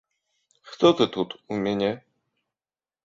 Хто ты тут у мяне?